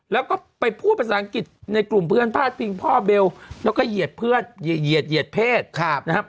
แล้วก็ไปพูดภาษาอังกฤษในกลุ่มเพื่อนพาดพิงพ่อเบลแล้วก็เหยียดเพื่อนเหยียดเพศนะครับ